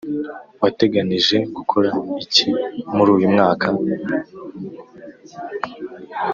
wateganije gukora iki muruyu mwaka